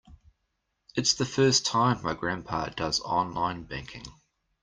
It's the first time my grandpa does online banking.